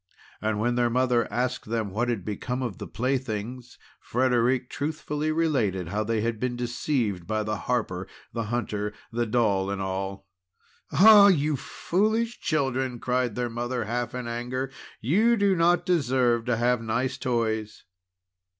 And when their mother asked them what had become of the playthings, Frederic truthfully related how they had been deceived by the harper, the hunter, the doll, and all. "Ah! you foolish children!" cried their mother half in anger, "you do not deserve to have nice toys!"